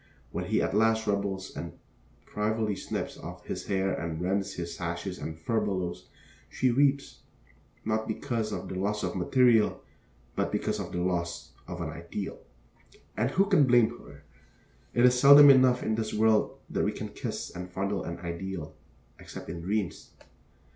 When he at last rebels and privily snips off his hair and rends his sashes and furbelows, she weeps, not because of the loss of material, but because of the loss of an ideal. And who can blame her? It is seldom enough in this world that we can kiss and fondle an ideal, except in dreams.